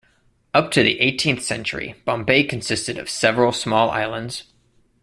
Up to the eighteenth century, Bombay consisted of several small islands.